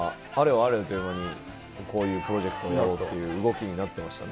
あれよという間に、こういうプロジェクトをやろうっていう動きになってましたね。